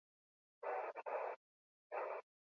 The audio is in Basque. Autoaren azala erabat pertsonaliza daiteke.